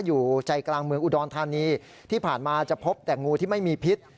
อยู่ใจกลางเมืองอุดรธานีที่ผ่านมาจะพบแต่งูที่ไม่มีพิษ